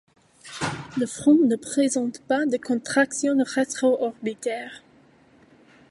Le front ne présente pas de contraction rétro-orbitaire.